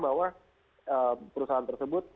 bahwa perusahaan tersebut